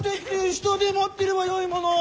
下で待ってればよいものを！